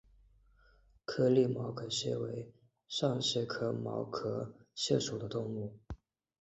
颗粒毛壳蟹为扇蟹科毛壳蟹属的动物。